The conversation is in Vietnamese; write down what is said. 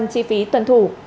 hai mươi chi phí tuần thủ